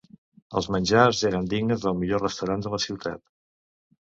Els menjars eren dignes del millor restaurant de la ciutat.